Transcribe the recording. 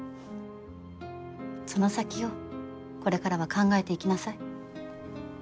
その先をこれからは考えていきなさい。